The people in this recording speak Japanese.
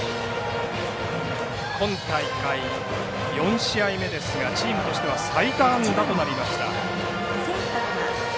今大会４試合目ですがチームとしては最多安打となりました。